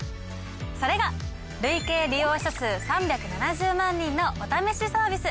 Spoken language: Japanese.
それが累計利用者数３７０万人のお試しサービス